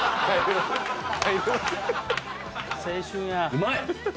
うまい。